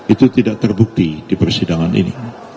itu tidak terbukti di persidangan ini